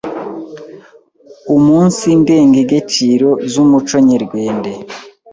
umunsi ndengegeciro z’umuco nyerwende,